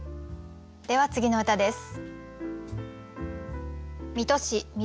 では次の歌です。